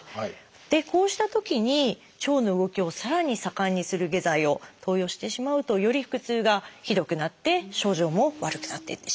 でこうしたときに腸の動きをさらに盛んにする下剤を投与してしまうとより腹痛がひどくなって症状も悪くなっていってしまうと。